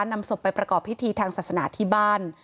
นำศพไปประกอบพิธีทางศาสนาที่บ้าน